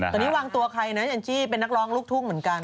ตอนนี้วางตัวใครนะแอนจี้เป็นนักร้องลูกทุ่งเหมือนกัน